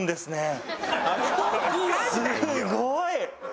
すごい！